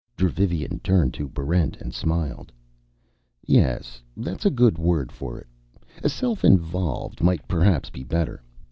Dravivian turned to Barrent and smiled. "Yes, that's a good word for it. Self involved might perhaps be better.